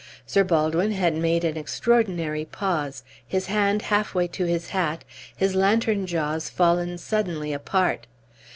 Sir Baldwin had made an extraordinary pause, his hand half way to his hat, his lantern jaws fallen suddenly apart.